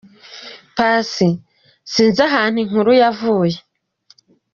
Paccy : Sinzi ahantu inkuru yavuye.